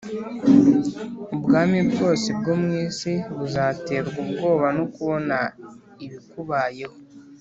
ubwami bwose bwo mu isi buzaterwa ubwoba no kubona ibikubayeho